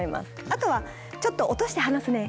あとはちょっと落として話すねとか。